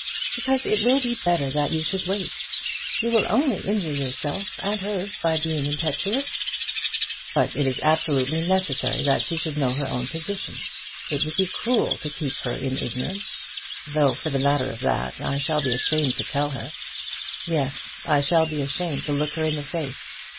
"Because it will be better that you should wait. You will only injure yourself and her by being impetuous." "But it is absolutely necessary that she should know her own position. It would be cruelty to keep her in ignorance; though for the matter of that I shall be ashamed to tell her. Yes; I shall be ashamed to look her in the face.